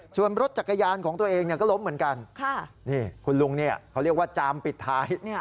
ส่วนรถจักรยานของตัวเองเนี่ยก็ล้มเหมือนกันนี่คุณลุงเนี่ยเขาเรียกว่าจามปิดท้าย